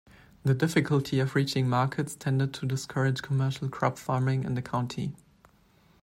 The difficulty of reaching markets tended to discourage commercial crop farming in the county.